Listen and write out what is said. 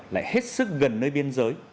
lại hết sức gần nơi biên giới